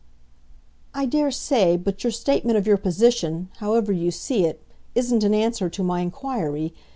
"I dare say but your statement of your position, however you see it, isn't an answer to my inquiry.